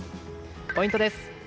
ポイントです。